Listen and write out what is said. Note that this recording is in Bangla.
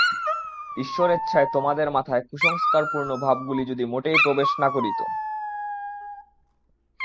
ঈশ্বরেচ্ছায় তোমাদের মাথায় কুসংস্কারপূর্ণ ভাবগুলি যদি মোটেই প্রবেশ না করিত।